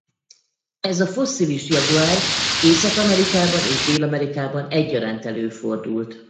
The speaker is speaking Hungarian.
Ez a fosszilis jaguár Észak-Amerikában és Dél-Amerikában egyaránt előfordult.